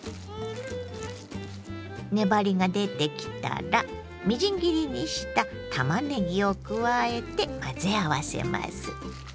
粘りが出てきたらみじん切りにしたたまねぎを加えて混ぜ合わせます。